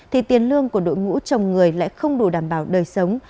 thì tiền lương của đội ngũ chồng người lại không đủ đảm bảo đời sống